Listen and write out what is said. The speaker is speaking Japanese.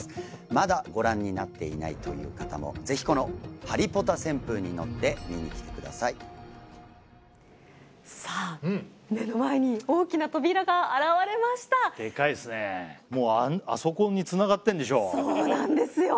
まだご覧になっていないという方もぜひこのハリポタ旋風に乗って見に来てくださいさあ目の前に大きな扉が現れましたでかいっすねそうなんですよ